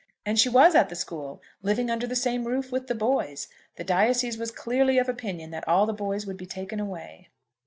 And she was at the school, living under the same roof with the boys! The diocese was clearly of opinion that all the boys would be taken away.